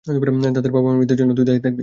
তাদের বাবা-মায়ের মৃত্যুর জন্য তুই দায়ী থাকবি।